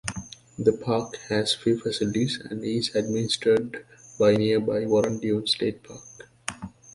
The park has few facilities and is administered by nearby Warren Dunes State Park.